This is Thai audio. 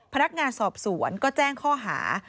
พนักงานสอบสวนก็แจ้งข้อหา